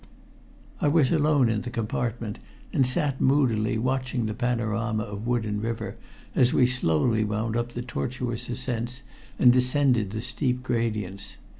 I was alone in the compartment, and sat moodily watching the panorama of wood and river as we slowly wound up the tortuous ascents and descended the steep gradients.